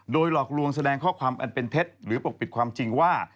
โดยหลอกลวงแสดงข้อความอันเป็นเท็จหรือปกปิดความจริงว่า